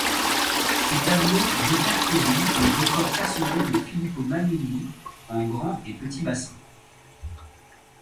Ces tableaux répertorient les records personnels de Filippo Magnini, en grand et petit bassin.